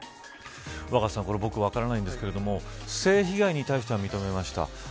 若狭さん、これは分からないんですけど性被害に対しては認めました。